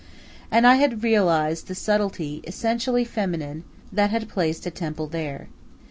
And I had realized the subtlety, essentially feminine, that had placed a temple there.